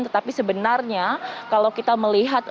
tetapi sebenarnya kalau kita melihat